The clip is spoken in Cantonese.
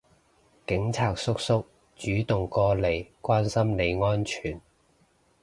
警察叔叔主動過嚟關心你安全